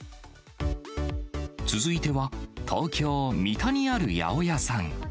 続いては、東京・三田にある八百屋さん。